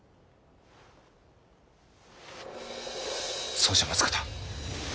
そうじゃ松方！